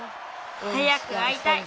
早くあいたい。